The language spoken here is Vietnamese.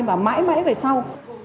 mà mãi mãi về sau